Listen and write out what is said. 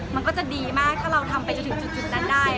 มันก็จะดีมากถ้าเราทำไปจนถึงจุดนั้นได้